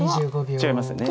違いますよね。